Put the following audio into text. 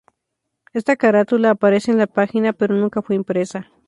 Esta carátula aparece en la página, pero nunca fue impresa.